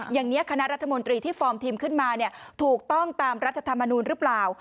อย่างนี้คณะรัฐมนตรีที่ฟอร์มทีมขึ้นมาถูกต้องตามรัฐธรรมนูลหรือเปล่า